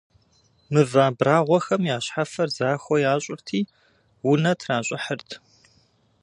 Мывэ абрагъуэхэм я щхьэфэр захуэ ящӏырти, унэ тращӏыхьырт.